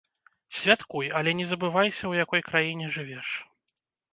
Святкуй, але не забывайся, у якой краіне жывеш.